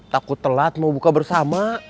takut telat mau buka bersama